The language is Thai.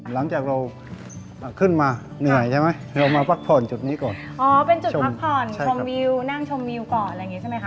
หลังจากเราขึ้นมาเหนื่อยใช่ไหมเรามาพักผ่อนจุดนี้ก่อนอ๋อเป็นจุดพักผ่อนชมวิวนั่งชมวิวก่อนอะไรอย่างงี้ใช่ไหมคะ